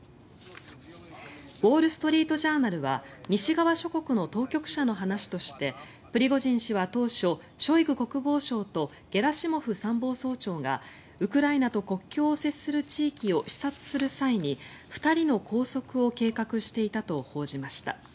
ウォール・ストリート・ジャーナルは西側諸国の当局者の話としてプリゴジン氏は当初ショイグ国防相とゲラシモフ参謀総長がウクライナと国境を接する地域を視察する際に２人の拘束を計画していたと報じました。